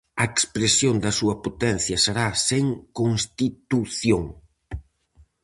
A expresión da súa potencia será sen Constitución.